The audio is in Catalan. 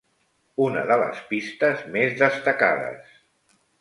Una de les pistes més destacades.